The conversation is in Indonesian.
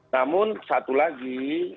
namun satu lagi